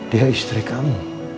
dia istri kamu